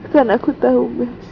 karena aku tau